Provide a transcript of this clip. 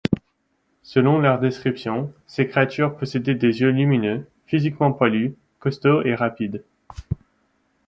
Selon leur description, ces créatures possédaient des yeux lumineux, physiquement poilus, costauds et rapides.